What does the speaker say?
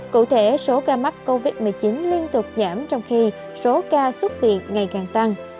cụ thể số ca mắc covid một mươi chín liên tục giảm trong khi số ca xuất viện ngày càng tăng